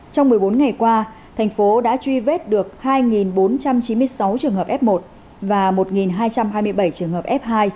trong một mươi bốn ngày qua thành phố đã truy vết được hai bốn trăm chín mươi sáu trường hợp f một và một hai trăm hai mươi bảy trường hợp f hai